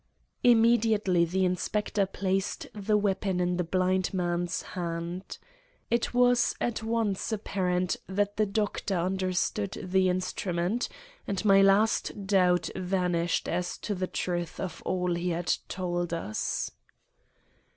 Immediately the Inspector placed the weapon in the blind man's hand. It was at once apparent that the Doctor understood the instrument, and my last doubt vanished as to the truth of all he had told us.